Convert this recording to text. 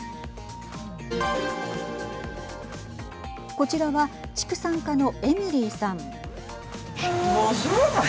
こちらは畜産家のエミリーさん。